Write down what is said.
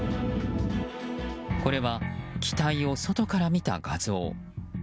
これは機体を外から見た画像。